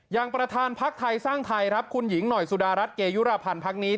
ประธานพักไทยสร้างไทยครับคุณหญิงหน่อยสุดารัฐเกยุรพันธ์พักนี้